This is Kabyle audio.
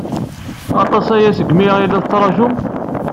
Aṭas aya segmi i la tettṛajum?